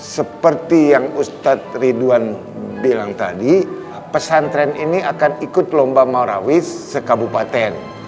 seperti yang ustadz ridwan bilang tadi pesantren ini akan ikut lomba marawis sekabupaten